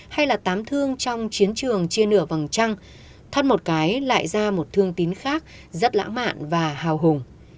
hay là tám thương trong chiến trường chia nửa vòng trăng thoát một cái lại ra một thương tín khác rất lãng mạn và hào hùng